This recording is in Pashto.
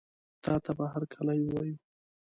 تاته به هرکلی ووایو.